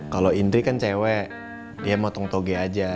kalau indri kan cewek dia motong toge aja